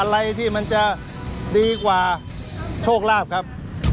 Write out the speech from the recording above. อะไรที่มันจะดีกว่าโชคลาภครับ